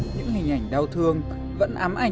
những hình ảnh đau thương vẫn ám ảnh